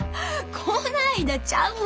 こないだちゃうわ。